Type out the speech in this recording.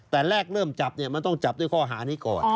แต่แรกเริ่มจับเนี่ยมันต้องจับด้วยข้อหานี้ก่อน